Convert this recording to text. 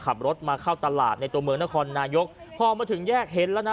ขับรถมาเข้าตลาดในตัวเมืองนครนายกพอมาถึงแยกเห็นแล้วนะ